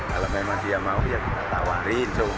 kalau memang dia mau ya kita tawarin tuh